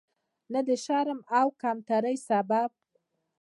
نه د شرم او کمترۍ سبب.